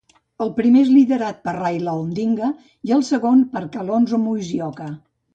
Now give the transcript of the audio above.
El primer és liderat per Raila Odinga i el segon per Kalonzo Musyoka.